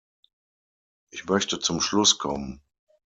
Ich möchte zum Schluss kommen.